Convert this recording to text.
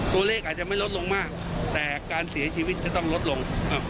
อาจจะไม่ลดลงมากแต่การเสียชีวิตจะต้องลดลง